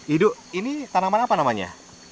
idu ini tanaman apa namanya